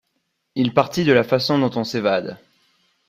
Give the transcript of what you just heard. Il partit de la façon dont on s’évade.